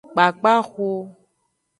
Kpakpaxu.